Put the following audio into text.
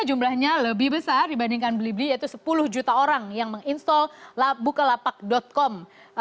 jumlahnya lebih besar dibandingkan beli beli yaitu sepuluh juta orang yang menginstall bukalapak com